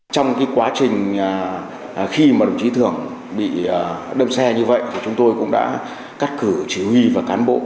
trong quá trình khi đồng chí thưởng bị đâm xe như vậy chúng tôi cũng đã cắt cử chí huy và cán bộ